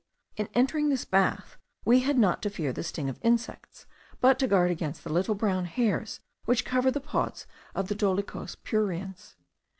In entering this bath, we had not to fear the sting of insects, but to guard against the little brown hairs which cover the pods of the Dolichos pruriens.